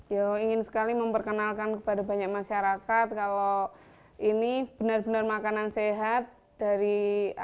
ya ingin sekali memperkenalkan kepada banyak masyarakat kalau ini benar benar makanan sehat dari